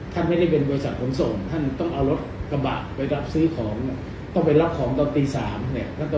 ท่านไม่ได้เป็นบริษัทขนส่งท่านต้องเอารถกระบะไปรับซื้อของเนี่ยต้องไปรับของตอนตี๓เนี่ย